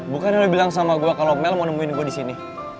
bukan yang lo bilang sama gue kalau mel mau nemuin gue di sini